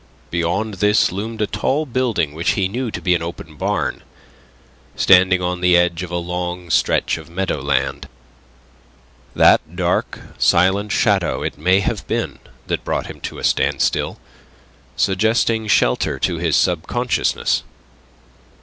Beyond this loomed a tall building which he knew to be an open barn, standing on the edge of a long stretch of meadowland. That dark, silent shadow it may have been that had brought him to a standstill, suggesting shelter to his subconsciousness.